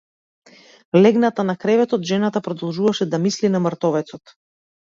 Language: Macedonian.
Легната на креветот жената продолжуваше да мисли на мртовецот.